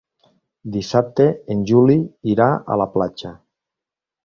Dissabte en Juli irà a la platja.